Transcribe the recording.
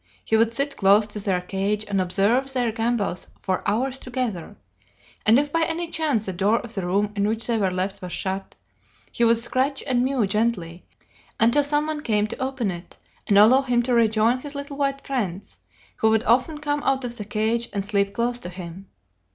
He would sit close to their cage and observe their gambols for hours together, and if by any chance the door of the room in which they were left was shut, he would scratch and mew gently until some one came to open it and allow him to rejoin his little white friends, who would often come out of the cage and sleep close to him.